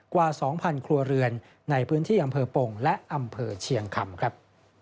กว่า๒๐๐ครัวเรือนในพื้นที่อำเภอปงและอำเภอเชียงคำครับ